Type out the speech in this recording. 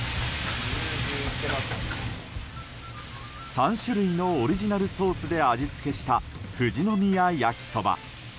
３種類のオリジナルソースで味付けした、富士宮やきそば。